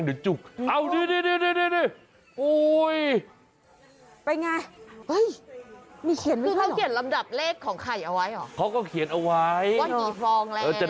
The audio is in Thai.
นึกว่ามีคล็กมีอะไรอ๋ออยู่หรือเหรอ